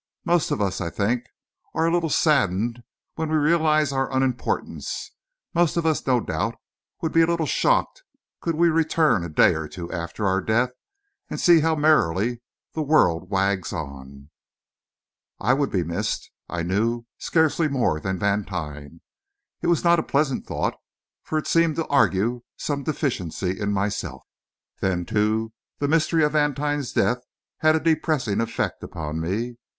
Most of us, I think, are a little saddened when we realise our unimportance; most of us, no doubt, would be a little shocked could we return a day or two after our death and see how merrily the world wags on! I would be missed, I knew, scarcely more than Vantine. It was not a pleasant thought, for it seemed to argue some deficiency in myself. Then, too, the mystery of Vantine's death had a depressing effect upon me.